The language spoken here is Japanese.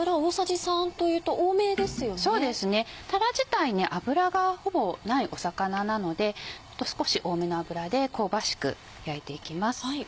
そうですねたら自体に脂がほぼない魚なので少し多めの油で香ばしく焼いていきます。